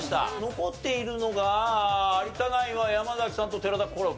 残っているのが有田ナインは山崎さんと寺田心君。